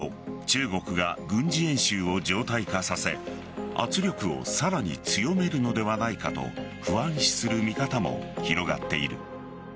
その一方で今後、中国が軍事演習を常態化させ圧力をさらに強めるのではないかと不安視する見方も広がっている。